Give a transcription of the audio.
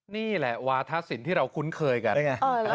นี่แหละวาทะสินที่เราคุ้นเคยกัน